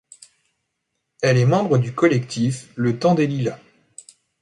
Elle est membre du collectif Le Temps des lilas.